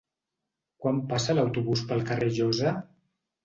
Quan passa l'autobús pel carrer Llosa?